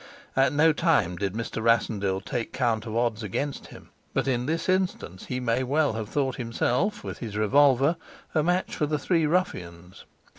At no time did Mr. Rassendyll take count of odds against him, but in this instance he may well have thought himself, with his revolver, a match for the three ruffians.